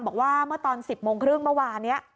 บอกว่าเมื่อตอน๑๐โมงครึ่งเมื่อวานนี้